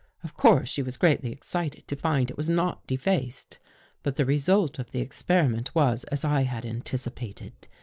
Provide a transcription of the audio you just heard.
Of course she was greatly excited to find it was not defaced. But the result of the experiment was as I had anticipated.